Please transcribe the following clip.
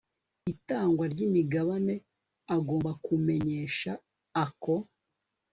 itangwa ry imigabane agomba kumenyesha ako